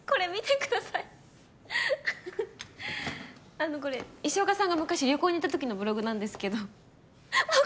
あのこれ石岡さんが昔旅行に行ったときのブログなんですけどははっ